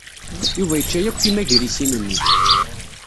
Yuba yečča akk timagrisin-nni.